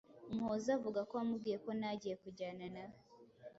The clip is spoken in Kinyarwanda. Umuhoza avuga ko wamubwiye ko ntagiye kujyana nawe.